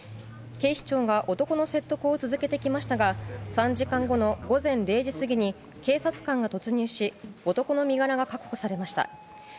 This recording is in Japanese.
警視庁が男の説得を続けてきましたが３時間後の午前０時過ぎに警察官が突入し男の身柄が確保されました。